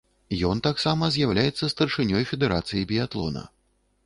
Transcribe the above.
Ён таксама з'яўляецца старшынёй федэрацыі біятлона.